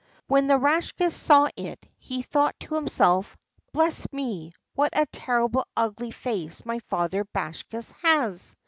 When the Rakshas saw it he thought to himself: "Bless me, what a terribly ugly face my father Bakshas has!"